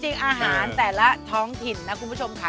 อาหารแต่ละท้องถิ่นนะคุณผู้ชมค่ะ